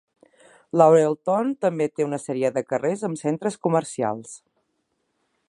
Laurelton també té una sèrie de carrers amb centres comercials.